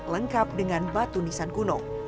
lengkap dengan batu nisan kuno